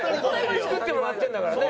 作ってもらってるんだからね。